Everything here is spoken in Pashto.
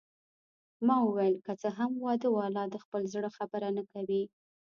ما وویل: که څه هم واده والا د خپل زړه خبره نه کوي.